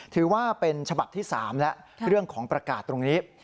ถือว่าเป็นฉบับที่๓แล้วเรื่องของประกาศตรงนี้